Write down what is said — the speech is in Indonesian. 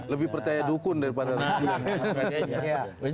lebih percaya dukun daripada sisi lain